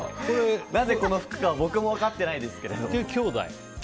なぜこの服か僕も分かってないです。